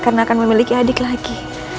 karena akan memiliki adik lagi